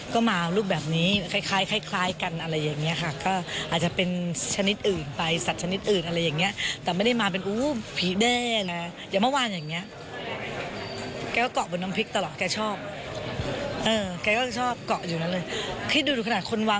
ก็มารูปแบบนี้คล้ายกันอะไรอย่างนี้ค่ะ